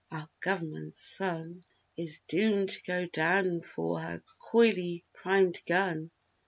Our government's sun Is doomed to go down 'fore her coyly primed gun.